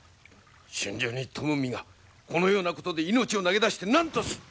春秋に富む身がこのようなことで命を投げ出して何とする！